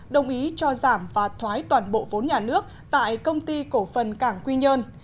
đồng ý cho giảm và thoái toàn bộ vốn nhà nước tại công ty cổ phần cảng quy nhơn